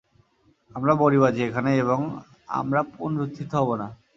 আমরা মরি-বাঁচি এখানেই এবং আমরা পুনরুত্থিত হব না।